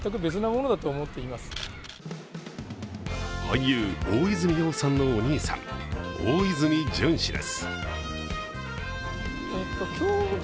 俳優・大泉洋さんのお兄さん大泉潤氏です。